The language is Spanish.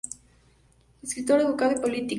Escritor, educador y político.